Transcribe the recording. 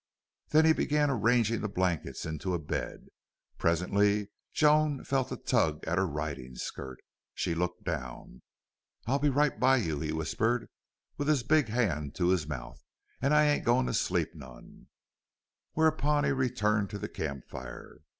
Then he began arranging the blankets into a bed. Presently Joan felt a tug at her riding skirt. She looked down. "I'll be right by you," he whispered, with his big hand to his mouth, "an' I ain't a goin' to sleep none." Whereupon he returned to the camp fire.